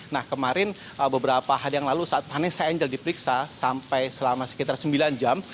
nah kemarin beberapa hari yang lalu saat vanessa angel diperiksa sampai selama sekitar sembilan jam